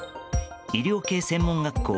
医療系専門学校